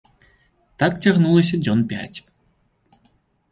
Так цягнулася дзён пяць.